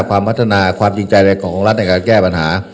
ความพัฒนาความจริงใจอะไรของรัฐในการแก้ปัญหา